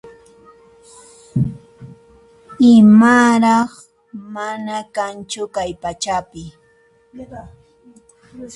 Imaraq mana kanchu kay pachapi